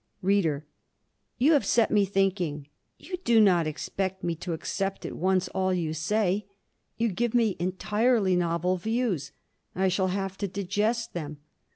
READER: You have set me thinking; you do not expect me to accept at once all you say. You give me entirely novel views. I shall have to digest them.